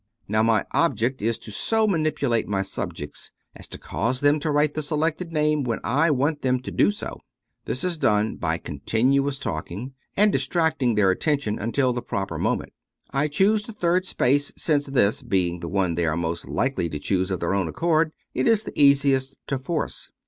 Now my object is to so manipulate my subjects as to cause them to write the selected name when I want them to do so. This is done by continuous talking, and distracting their attention until the proper moment. I choose the third space, since this, being the one they are most liable to choose of their own accord, is the easiest to force.